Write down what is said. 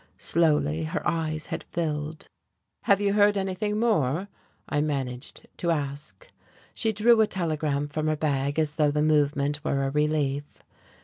Slowly her eyes had filled. "Have you heard anything more?" I managed to ask. She drew a telegram from her bag, as though the movement were a relief.